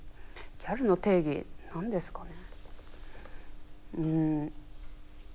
ギャルの定義何ですかね？